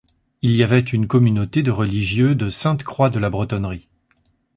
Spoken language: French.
Il y avait une communauté de religieux de Sainte-Croix-de-la-Bretonnerie.